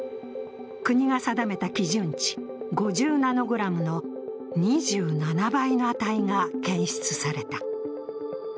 国が定めた基準値５０ナノグラムの２７倍の値が検出された。